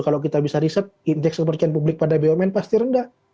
kalau kita bisa riset indeks kepercayaan publik pada bumn pasti rendah